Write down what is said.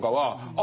あ